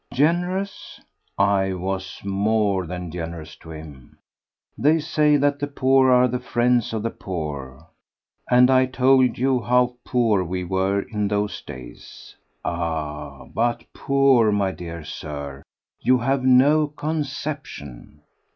Generous? I was more than generous to him. They say that the poor are the friends of the poor, and I told you how poor we were in those days! Ah! but poor! my dear Sir, you have no conception!